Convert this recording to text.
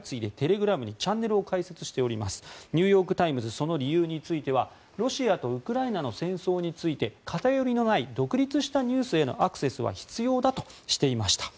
その理由についてはロシアとウクライナの戦争について偏りのない独立したニュースへのアクセスは必要だとしていました。